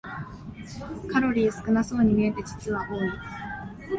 カロリー少なそうに見えて実は多い